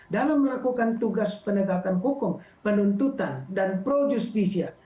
dalam melakukan tugas penegakan hukum penuntutan dan pro justisia